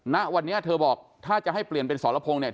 ณวันนี้เธอบอกถ้าจะให้เปลี่ยนเป็นสรพงศ์เนี่ย